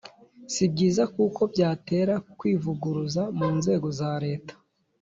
si byiza kuko byatera kwivuguruza mu nzego za leta.